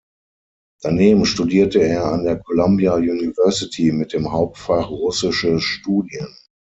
Daneben studierte er an der Columbia University mit dem Hauptfach "Russische Studien".